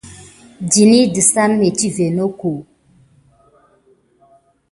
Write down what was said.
Ndəni dezu métivə not nako nat ka.